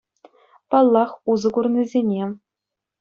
Паллах, усӑ курнисене.